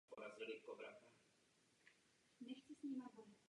Původně se chtěl věnovat dráze duchovního.